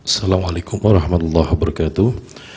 assalamu alaikum warahmatullahi wabarakatuh